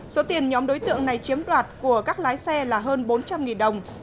số tiền nhóm đối tượng này chiếm đoạt của các lái xe là hơn bốn trăm linh đồng